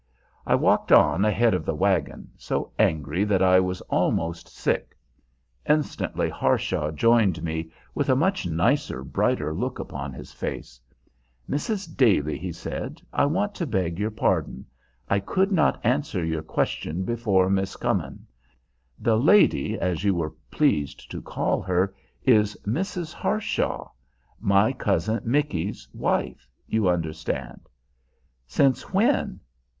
I walked on ahead of the wagon, so angry that I was almost sick. Instantly Harshaw joined me, with a much nicer, brighter look upon his face. "Mrs. Daly," he said, "I want to beg your pardon. I could not answer your question before Miss Comyn. The lady, as you were pleased to call her, is Mrs. Harshaw, my cousin Micky's wife, you understand." "Since when?"